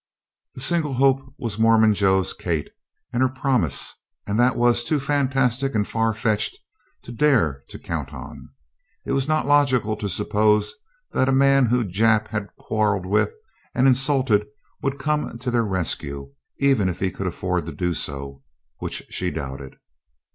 The single hope was Mormon Joe's Kate and her promise, and that was too fantastic and farfetched to dare count on. It was not logical to suppose that a man whom Jap had quarreled with and insulted would come to their rescue even if he could afford to do so, which she doubted.